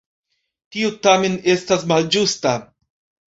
Tio tamen estas malĝusta.